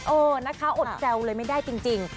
เออนะคะอดแซวเลยไม่ได้จริง